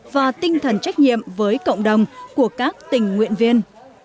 và tinh thần trách nhiệm với cộng đồng của các tình nguyện viên